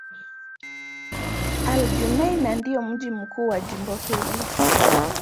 Al-Junaynah ndio mji mkuu wa jimbo hili.